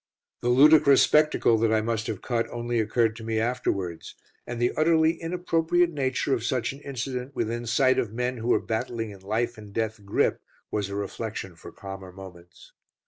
The ludicrous spectacle that I must have cut only occurred to me afterwards, and the utterly inappropriate nature of such an incident within sight of men who were battling in life and death grip was a reflection for calmer moments.